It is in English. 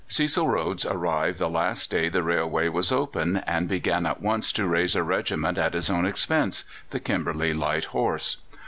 Cecil Rhodes arrived the last day the railway was open, and began at once to raise a regiment at his own expense the Kimberley Light Horse.